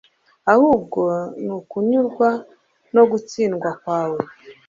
ahubwo ni ukunyurwa no gutsindwa kwawe